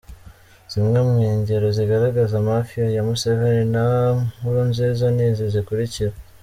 Zimwe mu ingero zigaragaza Mafia ya Museveni na Nkurunziza nizi zikurikira;